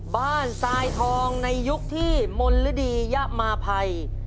ทรายทองในยุคที่มนฤดียะมาภัย